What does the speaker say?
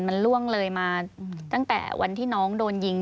มันล่วงเลยมาตั้งแต่วันที่น้องโดนยิง